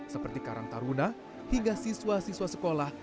seperti karang taruna hingga siswa siswa sekolah